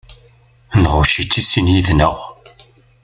Nɣucc-itt i sin yid-nneɣ.